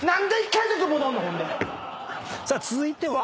さあ続いては。